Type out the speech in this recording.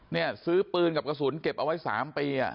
เนี่ยซื้อปืนกับกระสุนเก็บเอาไว้๓ปี